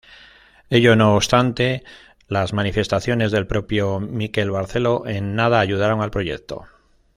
Ello no obstante, las manifestaciones del propio Miquel Barceló en nada ayudaron al proyecto.